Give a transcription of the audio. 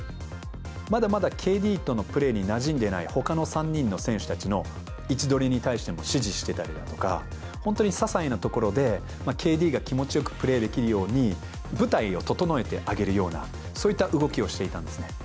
まだまだＫＤとのプレーになじんでない、ほかの３人の選手たちの位置取りに対しても指示してたりだとか、本当にささいなところでＫＤが気持ちよくプレーできるように、舞台を整えてあげるような、そういった動きをしていたんです